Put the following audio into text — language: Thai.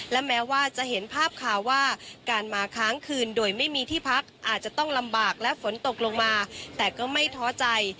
และแม้ว่าจะเห็นภาพข่าวว่าการมาค้างคืนโดยไม่มีที่พักอาจจะต้องลำบากและฝนตกลงมาแต่ก็ไม่ท้อใจ